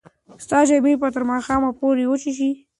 ستا جامې به تر ماښامه پورې وچې شي.